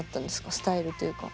スタイルというか。